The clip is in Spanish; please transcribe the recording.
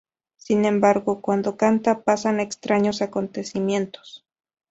Sin embargo, cuando canta, pasan extraños acontecimientos.